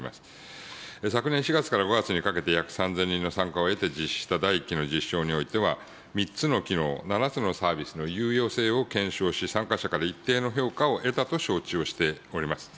昨年４月から５月にかけて、約３０００人の参加を得て、実施した第１期の実証においては、３つの機能、７つのサービスの有用性を検証し、参加者から一定の評価を得たと承知をしております。